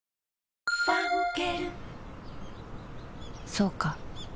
そうか